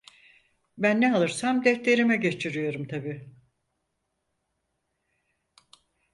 Ben ne alırsam defterime geçiriyorum tabii.